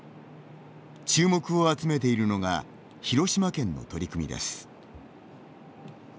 注目を集めているのが広島県の取り組みです。